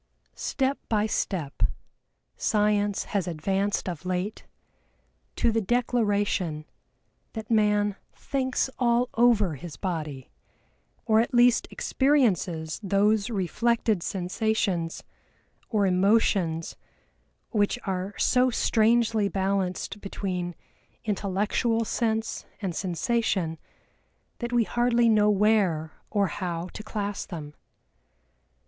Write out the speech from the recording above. Step by step Science has advanced of late to the declaration that man thinks all over his body, or at least experiences those reflected sensations or emotions which are so strangely balanced between intellectual sense and sensation that we hardly know where or how to class them.